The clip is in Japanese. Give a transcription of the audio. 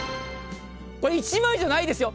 １枚じゃないですよ。